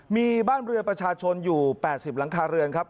มีบ้านเรือนประชาชนอยู่๘๐หลังคาเรือนครับ